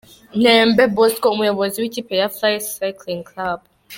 Ntembe Bosco umuyobozi w'ikipe ya Fly Cycling Club.